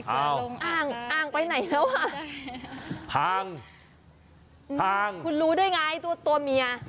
อารมณ์อ้างอ้างไปไหนแล้วอ่ะพังพังคุณรู้ได้ไงตัวตัวเมีย